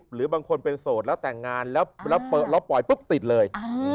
หรือบางคนมีสูตรแต่งงานแล้วปล่อยปุ๊บติดเลย